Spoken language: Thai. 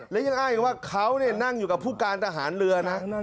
แล้วยังอ้างอย่างว่าเขาเนี่ยนั่งอยู่กับผู้การทหารเรือนะ